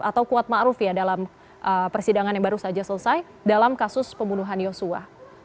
atau kuat ma'ruf ya dalam persidangan yang baru saja selesai dalam kasus pembunuhan yosua